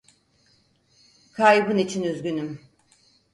Kaybın için üzgünüm.